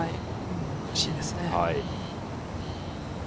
惜しいですね。